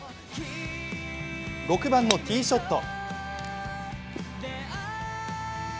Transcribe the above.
６番のティーショット。